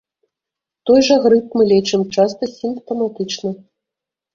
Той жа грып мы лечым чыста сімптаматычна.